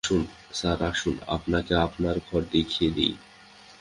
Sir আসুন, আপনাকে আপনার ঘর দেখিয়ে দিই।